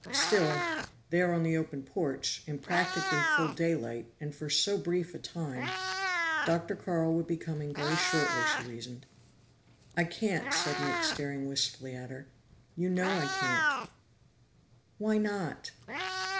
Still, there on the open porch, in practically full daylight, and for so brief a time Dr. Carl would be coming very shortly, she reasoned. "I can't," said Nick, staring wistfully at her. "You know I can't." "Why not?"